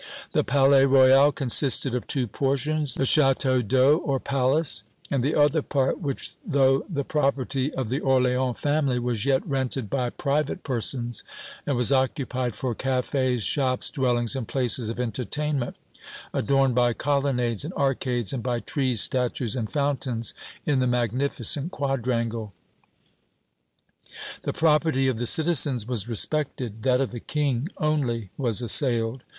The Palais Royal consisted of two portions the Château d'Eau, or palace, and the other part, which though the property of the Orléans family was yet rented by private persons, and was occupied for cafés, shops, dwellings and places of entertainment adorned by colonnades and arcades, and by trees, statues and fountains in the magnificent quadrangle. The property of the citizens was respected that of the King only was assailed.